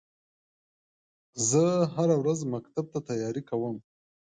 زه هره ورځ مکتب ته تياری کوم.